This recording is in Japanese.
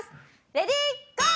レディーゴー！